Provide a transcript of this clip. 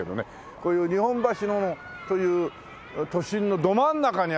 こういう日本橋という都心のど真ん中にあるここはね